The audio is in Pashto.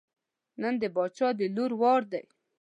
نن د باچا د لور وار دی.